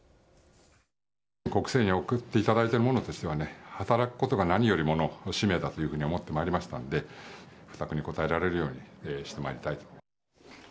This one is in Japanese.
国政に送っていただいている者としてはね、働くことが何よりもの使命だというふうに思ってまいりましたので、負託に応えられるようにしてまいりたいと。